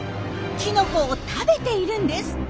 キノコを食べているんです。